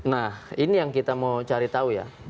nah ini yang kita mau cari tahu ya